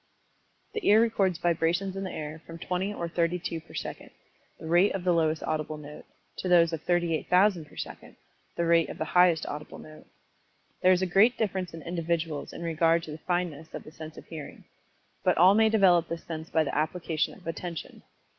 The ear records vibrations in the air from 20 or 32 per second, the rate of the lowest audible note, to those of 38,000 per second, the rate of the highest audible note. There is a great difference in individuals in regard to the fineness of the sense of Hearing. But all may develop this sense by the application of Attention.